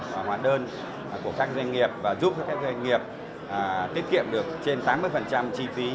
hóa đơn của các doanh nghiệp và giúp cho các doanh nghiệp tiết kiệm được trên tám mươi chi phí